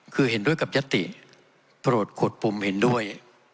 คือเห็นด้วยกับยติโปรดขดปุ่มเห็นด้วย